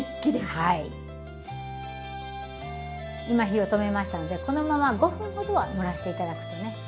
今火を止めましたのでこのまま５分ほどは蒸らして頂くとね